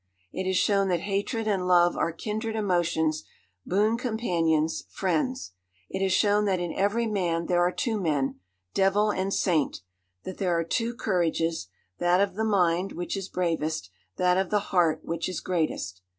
It has shown that hatred and love are kindred emotions, boon companions, friends. It has shown that in every man there are two men, devil and saint; that there are two courages, that of the mind, which is bravest, that of the heart, which is greatest.